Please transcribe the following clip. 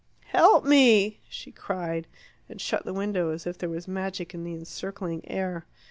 "Help me!" she cried, and shut the window as if there was magic in the encircling air.